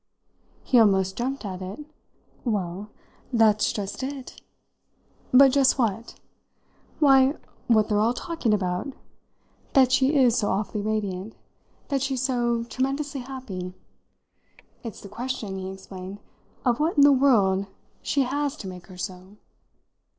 He almost jumped at it. "Well, that's just it!" "But just what?" "Why, what they're all talking about. That she is so awfully radiant. That she's so tremendously happy. It's the question," he explained, "of what in the world she has to make her so."